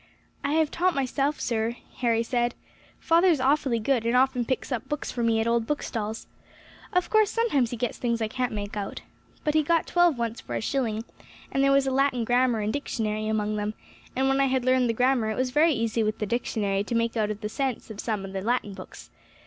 "I have taught myself, sir," Harry said. "Father is awfully good, and often picks up books for me at old bookstalls. Of course sometimes he gets things I can't make out. But he got twelve once for a shilling, and there was a Latin Grammar and Dictionary among them; and when I had learned the Grammar, it was very easy with the Dictionary to make out the sense of some of the Latin books.